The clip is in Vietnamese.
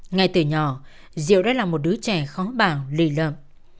ngay từ nhỏ diệu đã là một đứa trẻ khó bảng lì lợm